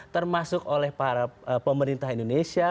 termasuk oleh para pemerintah indonesia